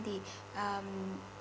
thì có thể là